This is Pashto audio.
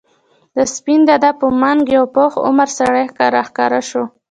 د سپين دادا په منګ یو پوخ عمر سړی راښکاره شو.